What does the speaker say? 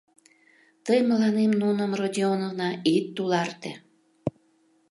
— Тый мыланем нуным, Родионовна, ит туларте.